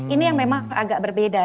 ini yang memang agak berbeda